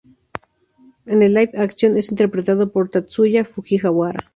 En el Live-Action es interpretado por Tatsuya Fujiwara.